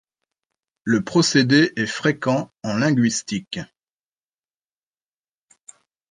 Le procédé est fréquent en linguistique.